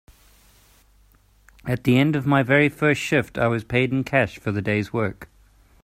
At the end of my very first shift, I was paid in cash for the day’s work.